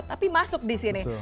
tapi masuk di sini